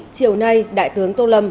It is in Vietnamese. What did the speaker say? chiều nay đại tướng tô lâm